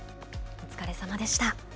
お疲れさまでした。